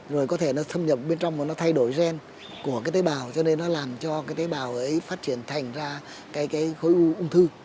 rồi có thể nó thâm nhập bên trong và thay đổi gen của tế bào cho nên nó làm cho tế bào phát triển thành ra khối ung thư